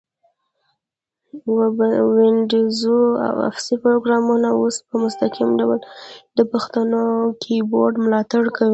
وینډوز او افس پروګرامونه اوس په مستقیم ډول د پښتو کیبورډ ملاتړ کوي.